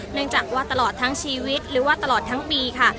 เนื่องจากว่าตลอดทั้งชีวิตหรือว่าตลอดทั้งปีค่ะ